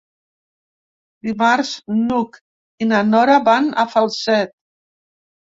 Dimarts n'Hug i na Nora van a Falset.